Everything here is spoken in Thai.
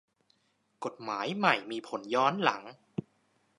กฏหมายใหม่มีผลย้อนหลัง